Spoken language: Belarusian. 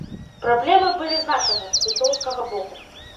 Праблемы былі з нашага, літоўскага боку.